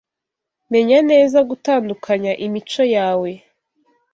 menya neza gutandukanya imico yawe